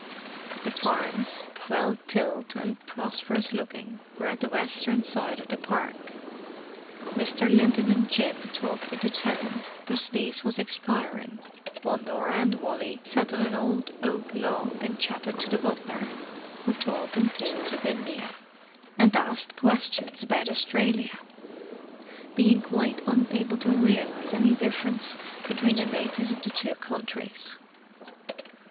The farms, well tilled and prosperous looking, were at the western side of the park: Mr. Linton and Jim talked with the tenant whose lease was expiring while Norah and Wally sat on an old oak log and chatted to the butler, who told them tales of India, and asked questions about Australia, being quite unable to realize any difference between the natives of the two countries.